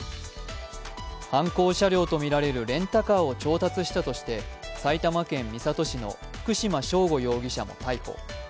犯行車両とみられるレンタカーを調達したとして埼玉県三郷市の福島聖悟容疑者も逮捕。